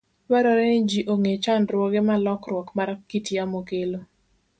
Dwarore ni ji ong'e chandruoge ma lokruok mar kit yamo kelo.